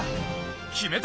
決めた！